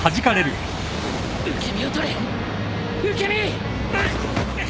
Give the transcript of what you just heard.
受け身を取れ！受け身！うっあっ。